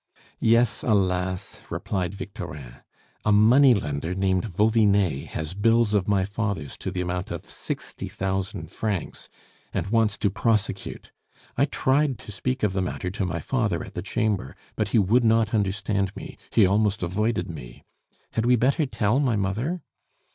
"Yes, alas!" replied Victorin. "A money lender named Vauvinet has bills of my father's to the amount of sixty thousand francs, and wants to prosecute. I tried to speak of the matter to my father at the Chamber, but he would not understand me; he almost avoided me. Had we better tell my mother?"